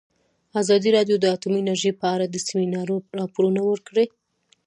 ازادي راډیو د اټومي انرژي په اړه د سیمینارونو راپورونه ورکړي.